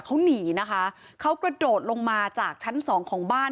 เขาหนีนะคะเขากระโดดลงมาจากชั้นสองของบ้าน